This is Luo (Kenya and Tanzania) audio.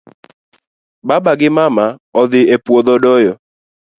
Mama gi baba odhii e puodho doyo